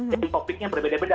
jadi topiknya berbeda beda